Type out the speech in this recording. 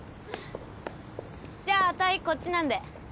じゃああたいこっちなんで。